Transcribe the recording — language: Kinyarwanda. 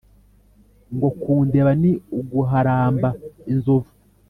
Ngo kundeba ni uguharamba inzovu.